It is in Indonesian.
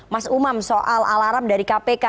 mas umam soal alarm dari kpk